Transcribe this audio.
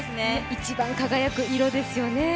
一番輝く色ですよね。